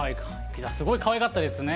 すごいかわいかったですよね。